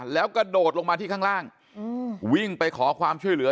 แล้วกระโดดลงมาที่ข้างล่างวิ่งไปขอความช่วยเหลือ